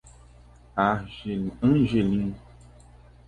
Angelim